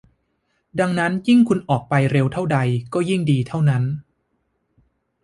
ดังนั้นยิ่งคุณออกไปเร็วเท่าใดก็ยิ่งดีเท่านั้น